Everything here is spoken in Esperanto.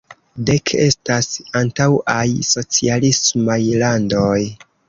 Dek estas antaŭaj socialismaj landoj.